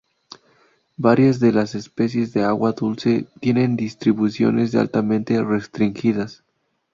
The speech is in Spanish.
Varias de las especies de agua dulce tienen distribuciones altamente restringidas.